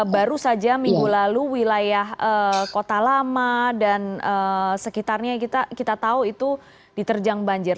baru saja minggu lalu wilayah kota lama dan sekitarnya kita tahu itu diterjang banjir